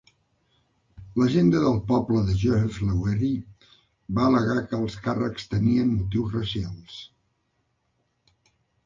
L'Agenda del Poble de Joseph Lowery va al·legar que els càrrecs tenien motius racials.